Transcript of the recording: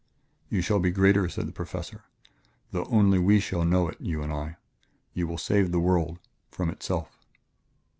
"You shall be greater," said the Professor, "though only we shall know it you and I.... You will save the world from itself."